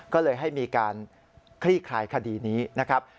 ก็เลยให้มีการคลี่คลายคดีนี้นะครับ